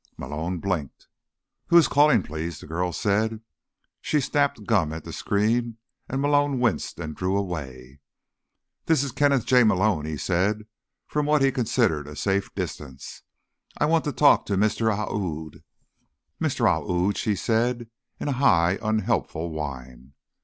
Malone blinked. "Who is calling, please?" the girl said. She snapped gum at the screen and Malone winced and drew away. "This is Kenneth J. Malone," he said from what he considered a safe distance. "I want to talk to Mr. Aoud." "Mr. Aoud?" she said in a high, unhelpful whine.